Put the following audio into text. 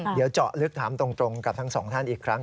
เดี๋ยวเจาะลึกถามตรงกับทั้งสองท่านอีกครั้ง